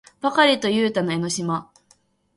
ばかりとゆうたと江の島